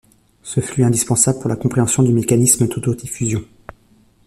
Ce flux est indispensable pour la compréhension du mécanisme d'auto-diffusion.